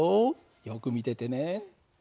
よく見ててね。